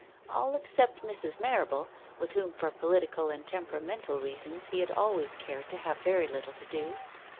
All except Mrs. Marrable, with whom for political and tempera mental reasons he had always cared to have very little to do.